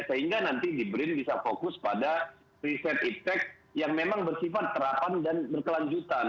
sehingga nanti di brin bisa fokus pada riset iptec yang memang bersifat terapan dan berkelanjutan